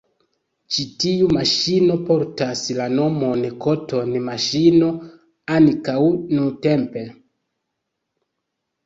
Ĉi tiu maŝino portas la nomon “cotton-maŝino” ankaŭ nuntempe.